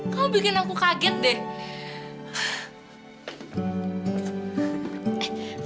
kamu bikin aku kaget deh